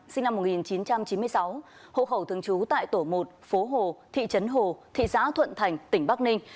sinh năm một nghìn chín trăm chín mươi sáu hộ khẩu thường trú tại tổ một phố hồ thị trấn hồ thị xã thuận thành tỉnh bắc ninh